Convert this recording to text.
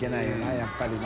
やっぱりな。